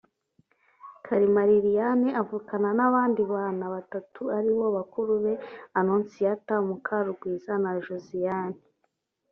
Kalima Liliane avukana n’abandi bana batatu ari bo bakuru be Annonciatta Mukarungwiza na Josiane B